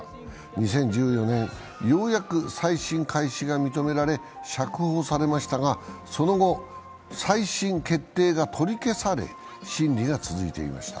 ２０１４年、ようやく再審開始が認められ、釈放されましたがその後、再審決定が取り消され審理が続いていました。